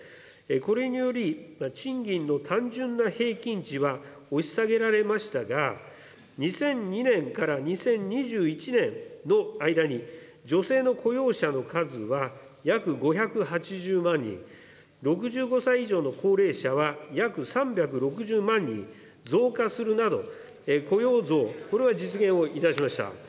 これにより、賃金の単純な平均値は押し下げられましたが、２００２年から２０２１年の間に、女性の雇用者の数は約５８０万人、６５歳以上の高齢者は約３６０万人増加するなど、雇用増、これは実現をいたしました。